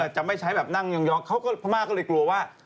จะไม่ใช้แบบนั่งยองเขาก็พม่าก็เลยกลัวว่า